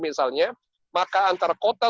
misalnya maka antar kota